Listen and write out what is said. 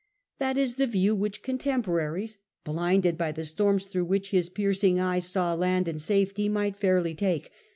That is the view which contemporaries, blinded by the storms through which his piercing eye saw land and safety, might fairly take.